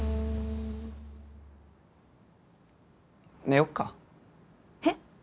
寝よっかへっ？